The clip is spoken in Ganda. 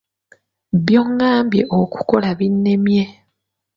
By'ongambye okukola binnemye.